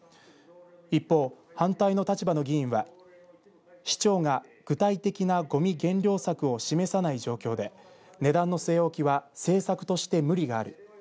一方、反対の立場の議員は市長が具体的なごみ減量策を示さない状況で値段の据え置きは政策として無理がある。